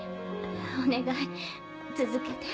お願い続けて。